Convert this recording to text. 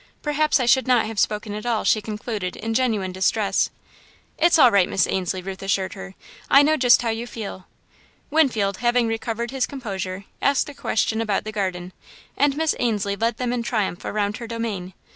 Perhaps I should not have spoken at all," she concluded in genuine distress. "It's all right, Miss Ainslie," Ruth assured her, "I know just how you feel." Winfield, having recovered his composure, asked a question about the garden, and Miss Ainslie led them in triumph around her domain.